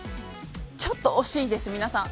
ちょっと惜しいです、皆さん。